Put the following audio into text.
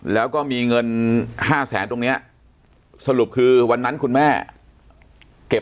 แล้วก็มีเงินห้าแสนตรงนี้สรุปคือวันนั้นคุณแม่เก็บ